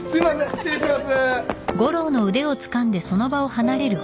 失礼します。